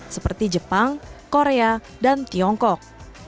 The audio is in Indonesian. seperti jepang korea dan tiongkok